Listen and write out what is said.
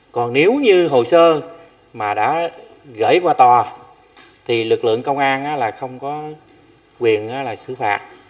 còn nếu như hồ sơ mà đã gửi qua tòa thì lực lượng công an là không có quyền là xử phạt